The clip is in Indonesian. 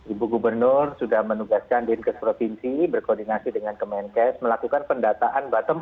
ibu gubernur sudah menugaskanlenebit provinsi berkoordinasi dengan kemenkes melakukan pendataan bottom up